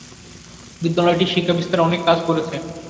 বিদ্যালয়টি শিক্ষা বিস্তারে অনেক কাজ করেছে।